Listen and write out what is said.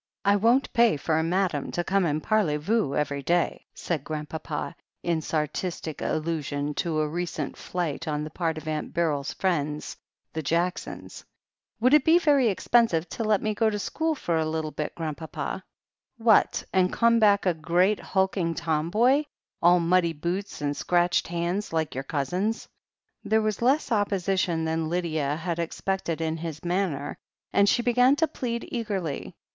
I won't pay for a Madame to come and parlyvoo every day," said Grandpapa in sarcastic al lusion to a recent flight on the part of Aunt Beryl's friends, the Jacksons. "Would it be very expensive to let me go to school for a little bit. Grandpapa?" "What, and come back a great hulking tomboy, all muddy boots, and scratched hands like your cousins?" There was less opposition than Lydia had expected in his manner, and she began to plead eagerly.